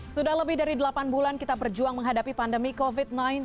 sudah lebih dari delapan bulan kita berjuang menghadapi pandemi covid sembilan belas